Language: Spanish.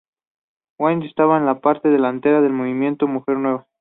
Whitney estaba en la parte delantera del movimiento Mujer Nueva.